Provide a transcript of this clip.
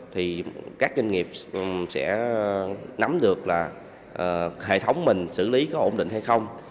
thì các doanh nghiệp sẽ nắm được là hệ thống mình xử lý có ổn định hay không